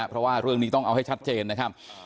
เพราะว่าเรื่องนี้ต้องเอาให้ชัดเจนนะครับ